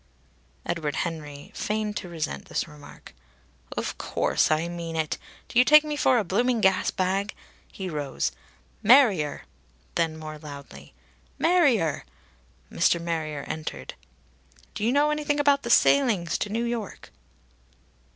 Edward Henry feigned to resent this remark. "Of course I mean it. Do you take me for a blooming gas bag?" He rose. "Marrier!" Then more loudly: "Marrier!" Mr. Marrier entered. "Do you know anything about the sailings to New York?"